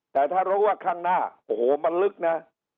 แต่ถ้ารู้ว่าข้างหน้าโอ้โหมันลึกนะ